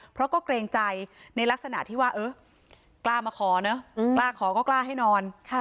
เพราะก็เกรงใจในลักษณะที่ว่าเออกล้ามาขอเนอะกล้าขอก็กล้าให้นอน